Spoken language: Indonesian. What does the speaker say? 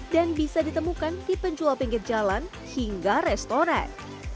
dan bisa ditemukan di penjual pinggir jalan hingga restoran